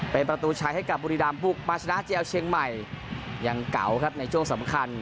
เป็นประตูชัยให้กับบุรีรำบุกมาชนะเจลเชียงใหม่ยังเก่าครับในช่วงสำคัญ